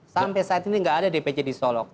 sampai saat ini nggak ada dpc di solok